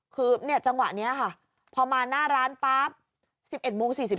คือเนี่ยจังหวะเนี้ยค่ะเพราะมาหน้าร้านป๊าบ๑๑โมง๔๓